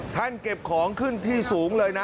เก็บของขึ้นที่สูงเลยนะ